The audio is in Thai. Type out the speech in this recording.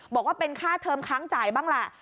บอกว่าเป็นค่าเทิมค้างจ่ายบ้างแหละ